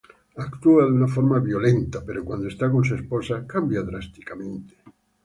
Actúa de una forma violenta pero cuando esta con su esposa cambia drásticamente.